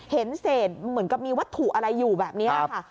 เห็นเศษเหมือนกับมีวัตถุอะไรอยู่แบบนี้ค่ะ